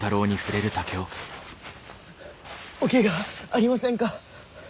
おけがはありませんか？